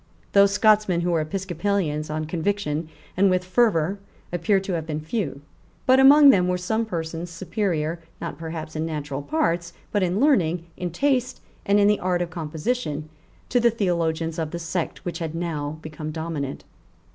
Those Scotchmen who were Episcopalians on conviction and with fervour appear to have been few; but among them were some persons superior, not perhaps in natural parts, but in learning, in taste, and in the art of composition, to the theologians of the sect which had now become dominant.